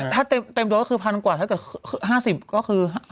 ถ้าเต็มรถก็คือพันกว่าถ้าเกิด๕๐ก็คือ